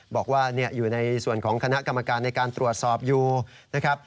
บอกว่าอยู่ในส่วนของคณะกรรมการในการตรวจสอบอยู่นะครับ